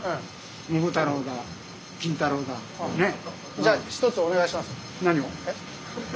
じゃあ一つお願いします。